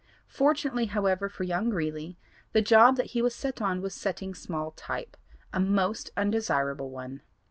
Fortunately, however, for young Greeley, the job that he was on was setting small type, a most undesirable one.